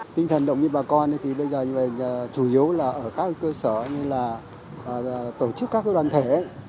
tinh thần động viên bà con thì bây giờ như vậy chủ yếu là ở các cơ sở như là tổ chức các đoàn thể